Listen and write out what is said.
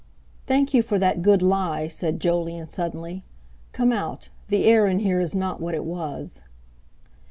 "Thank you for that good lie," said Jolyon suddenly. "Come out—the air in here is not what it was!"